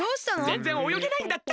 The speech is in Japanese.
ぜんぜんおよげないんだった。